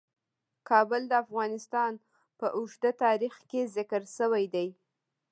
کابل د افغانستان په اوږده تاریخ کې ذکر شوی دی.